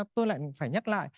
tôi lại phải nhắc lại